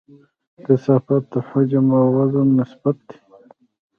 کثافت د حجم او وزن نسبت دی.